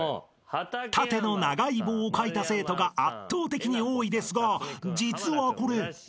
［縦の長い棒を書いた生徒が圧倒的に多いですが実はこれ］